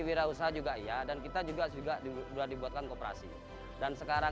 terima kasih teman teman